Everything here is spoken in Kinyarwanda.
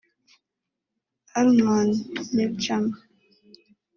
Arnon Milchan